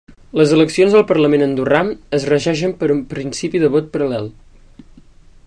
Les eleccions al parlament andorrà es regeixen per un principi de vot paral·lel.